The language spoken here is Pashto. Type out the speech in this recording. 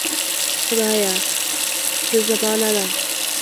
خدایه څه زمانه ده.